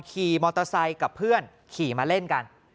ขี่มอเตอร์ไซค์กับเพื่อนขี่มาเล่นกัน